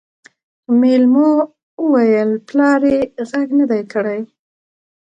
مېلمو وويل پلار يې غږ نه دی کړی.